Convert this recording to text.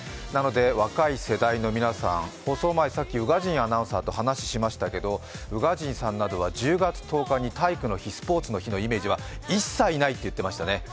若い世代の皆さん、放送前、さっき宇賀神アナウンサーと話をしましたけど、宇賀神さんなどは１０月１０日に体育の日、スポーツの日のイメージは一切ないっていうふうに言ってましたね。